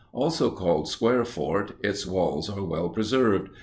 Also called Square Fort, its walls are well preserved.